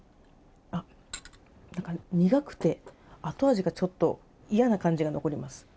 苦くて後味がちょっと嫌な感じが残ります。